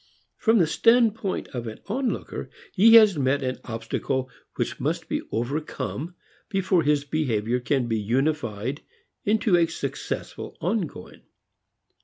From the standpoint of an onlooker, he has met an obstacle which must be overcome before his behavior can be unified into a successful ongoing.